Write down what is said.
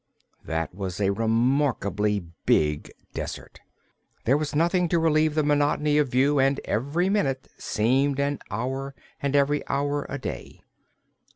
That was a remarkably big desert. There was nothing to relieve the monotony of view and every minute seemed an hour and every hour a day.